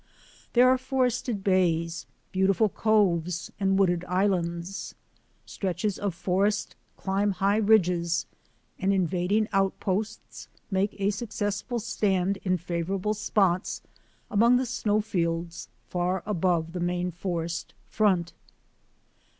There are forested bays, beautiful coves, and wooded islands. Stretches of forest climb high ridges, and invading outposts make a successful stand in favourable spots among the snowfields far above the main forest front.